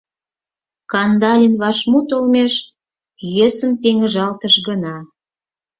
Кандалин вашмут олмеш йӧсын пеҥыжалтыш гына.